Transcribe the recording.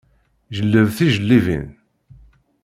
Jelleb tijellibin.